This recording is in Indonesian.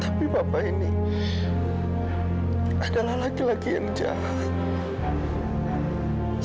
tapi bapak ini adalah laki laki yang jahat